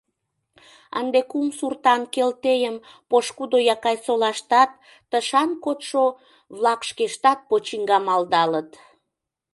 Ынде кум суртан Келтейым пошкудо Якайсолаштат, тышан кодшо-влак шкештат «почиҥга» малдалыт.